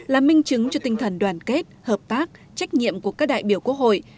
là minh chứng cho tinh thần đoàn kết hợp tác trách nhiệm của các đại biểu quốc hội